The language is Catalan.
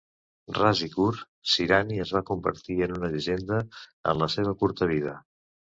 Ras i curt, Sirani es va convertir en una llegenda en la seva curta vida.